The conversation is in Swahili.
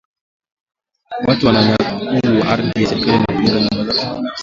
Watu wananyakua ardhi ya serikali na kujenga nyumba za kibinafsi